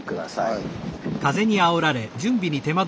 はい。